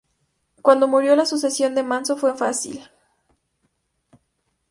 Cuando murió, la sucesión de Manso fue fácil.